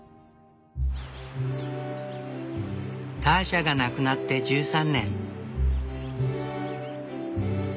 ターシャが亡くなって１３年。